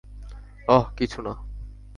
অহ, কিছুনা।